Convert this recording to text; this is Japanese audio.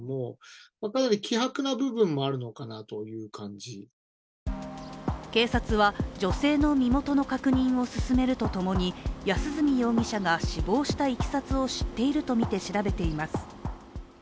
元埼玉県警捜査一課の佐々木氏は警察は女性の身元の確認を進めるとともに安栖容疑者が死亡したいきさつを知っているとみて調べています。